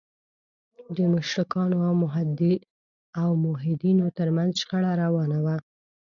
د مشرکانو او موحدینو تر منځ شخړه روانه وه.